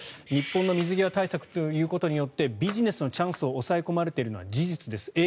日本の水際対策ということによってビジネスのチャンスを抑え込まれているのは事実です。